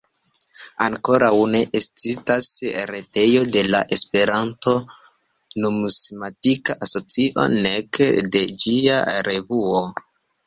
Ankoraŭ ne ekzistas retejo de la Esperanto-Numismatika Asocio, nek de ĝia revuo.